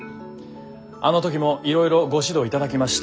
あの時もいろいろご指導いただきまして。